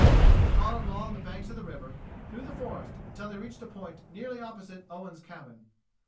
They followed along the banks of the river, through the forest, until they reached a point nearly opposite Owen's cabin.